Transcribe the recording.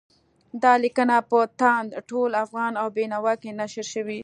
دا لیکنه په تاند، ټول افغان او بېنوا کې نشر شوې ده.